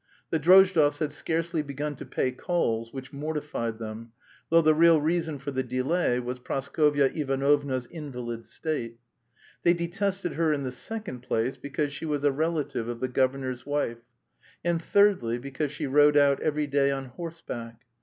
The Drozdovs had scarcely begun to pay calls, which mortified them, though the real reason for the delay was Praskovya Ivanovna's invalid state. They detested her in the second place because she was a relative of the governor's wife, and thirdly because she rode out every day on horseback.